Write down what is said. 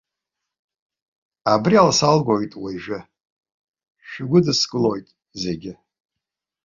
Абриала салгоит уажәы, шәгәыдыскылоит зегьы.